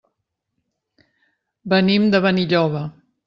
Venim de Benilloba.